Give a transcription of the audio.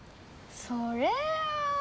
それは。